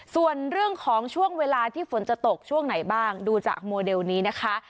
ส่วนเรื่องของช่วงเวลาที่ฝนจะตกช่วงไหนบ้างดูจากโมเดลนี้นะคะ